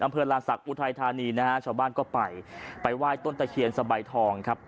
อำเภอลาศักดิอุทัยธานีนะฮะชาวบ้านก็ไปไปไหว้ต้นตะเคียนสะใบทองครับ